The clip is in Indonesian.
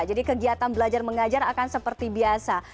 jadi kegiatan belajar mengajar akan seperti biasa